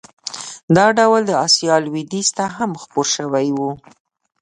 دا ډول د اسیا لوېدیځ ته هم خپور شوی و.